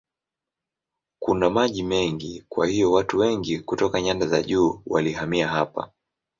Kuna maji mengi kwa hiyo watu wengi kutoka nyanda za juu walihamia hapa.